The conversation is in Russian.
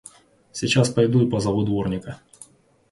Сейчас пойду и позову дворника!